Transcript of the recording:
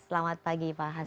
selamat pagi pak hasto